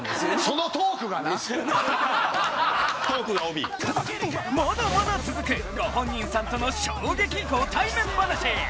・トークがＯＢ・まだまだ続くご本人さんとの衝撃ご対面話！